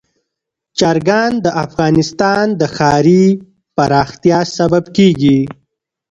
چرګان د افغانستان د ښاري پراختیا سبب کېږي.